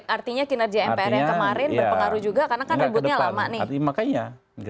artinya kinerja mpr yang kemarin berpengaruh juga karena kan ributnya lama nih